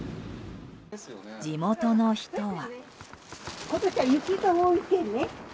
地元の人は。